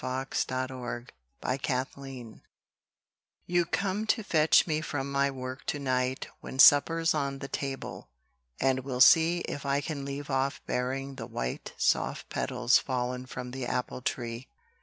PUTTING IN THE SEED You come to fetch me from my work to night When supper's on the table, and we'll see If I can leave off burying the white Soft petals fallen from the apple tree.